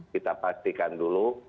kita pastikan dulu